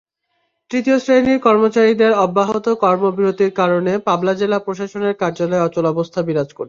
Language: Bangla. তৃতীয় শ্রেণির কর্মচারীদের অব্যাহত কর্মবিরতির কারণে পাবনা জেলা প্রশাসন কার্যালয়ে অচলাবস্থা বিরাজ করছে।